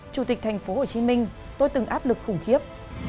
chủ tịch tp hcm tôi từng áp lực khủng khiếp